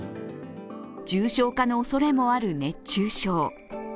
重症化のおそれもある熱中症。